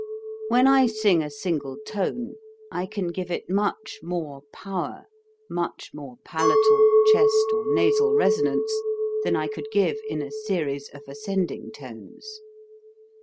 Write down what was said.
(See Plate A.) When I sing a single tone I can give it much more power, much more palatal, chest, or nasal resonance, than I could give in a series of ascending tones.